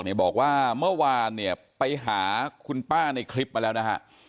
บอกว่าเมื่อวานเนี่ยไปหาคุณป้าในคลิปมาแล้วนะฮะ